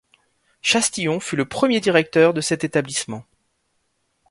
Chastillon fut le premier directeur de cet établissement.